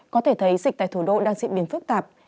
có thể thấy dịch tại thủ đô đang diễn biến phức tạp